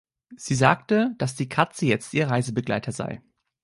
Sie sagte, dass die Katze jetzt ihr Reisebegleiter sei.